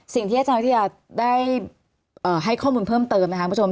สิ่งที่อาจารย์วิทยาได้ให้ข้อมูลเพิ่มเติมนะครับคุณผู้ชม